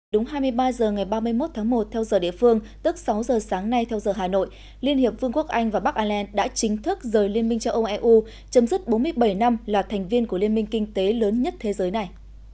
đúng hai mươi ba h ngày ba mươi một tháng một theo giờ địa phương tức sáu giờ sáng nay theo giờ hà nội liên hiệp vương quốc anh và bắc ireland đã chính thức rời liên minh châu âu eu chấm dứt bốn mươi bảy năm là thành viên của liên minh kinh tế lớn nhất thế giới này